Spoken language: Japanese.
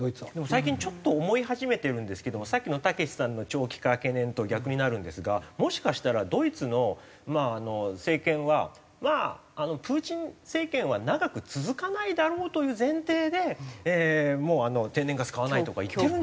最近ちょっと思い始めてるんですけどもさっきのたけしさんの長期化懸念と逆になるんですがもしかしたらドイツの政権はまあプーチン政権は長く続かないだろうという前提でもう天然ガス買わないとか言ってるんじゃないかなという。